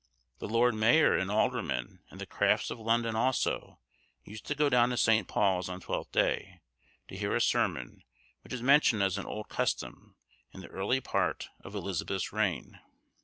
The lord mayor and aldermen, and the crafts of London also, used to go to St. Paul's on Twelfth Day, to hear a sermon, which is mentioned as an old custom, in the early part of Elizabeth's reign.